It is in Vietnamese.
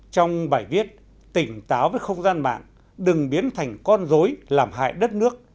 trong bài viết tỉnh táo với không gian mạng đừng biến thành con dối làm hại đất nước